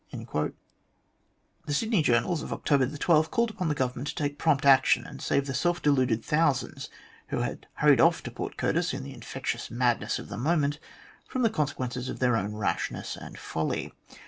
The Sydney journals of October 12 called upon the Government to take prompt action, and save the self deluded thousands, who had hurried off to Port Curtis in the infectious madness of the moment, from the consequences of their owa rashness and folly.